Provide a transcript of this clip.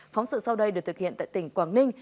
phóng sự sau đây được thực hiện tại tỉnh quảng ninh